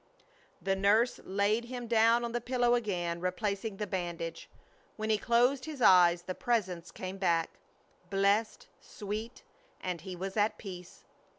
The nurse laid him down on the pillow again, replacing the bandage. When he closed his eyes the Presence came back, blessed, sweet and he was at peace.